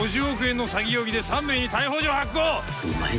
「５０億円の詐欺容疑で３名に逮捕状発行！」